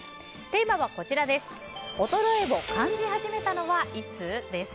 テーマは衰えを感じ始めたのはいつ？です。